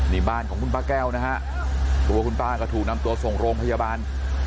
นี่บ้านของคุณป้าแก้วนะฮะตัวคุณป้าก็ถูกนำตัวส่งโรงพยาบาล